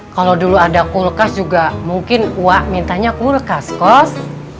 kalau dulu ada kulkas juga mungkin wa mintanya kulkas kos